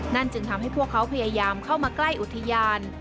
จึงทำให้พวกเขาพยายามเข้ามาใกล้อุทยาน